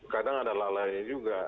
kadang ada lelahnya juga